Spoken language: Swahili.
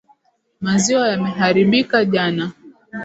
Maziwa yameharibika jana.